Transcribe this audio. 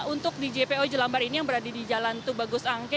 untuk di jpo jelambar ini yang berada di jalan tubagus angke